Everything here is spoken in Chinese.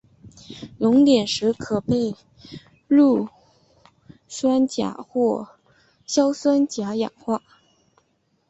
熔点时可被氯酸钾或硝酸钾氧化。